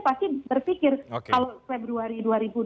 pasti berpikir kalau februari